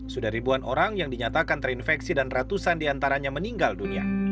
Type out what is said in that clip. sudah ribuan orang yang dinyatakan terinfeksi dan ratusan diantaranya meninggal dunia